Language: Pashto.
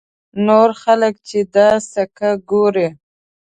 نور خلک چې دا سکه ګوري.